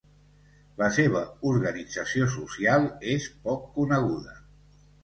La seva organització social és poc coneguda.